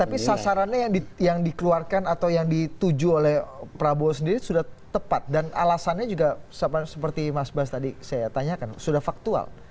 tapi sasarannya yang dikeluarkan atau yang dituju oleh prabowo sendiri sudah tepat dan alasannya juga seperti mas bas tadi saya tanyakan sudah faktual